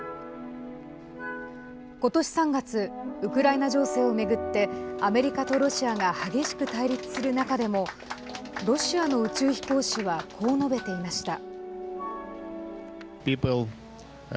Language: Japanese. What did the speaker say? ことし３月ウクライナ情勢を巡ってアメリカとロシアが激しく対立する中でもロシアの宇宙飛行士はこう述べていました。